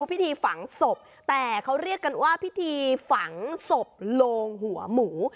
พิธีฝังศพแต่เขาเรียกกันว่าพิธีฝังศพโลงหัวหมู